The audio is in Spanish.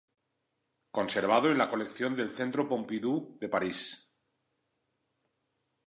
Conservado en la colección del Centro Pompidou de París.